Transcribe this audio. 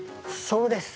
そうです。